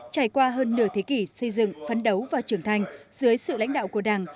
trải qua hơn nửa thế kỷ xây dựng phấn đấu và trưởng thành dưới sự lãnh đạo của đảng